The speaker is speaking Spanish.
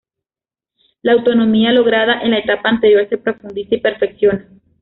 La autonomía lograda en la etapa anterior se profundiza y perfecciona.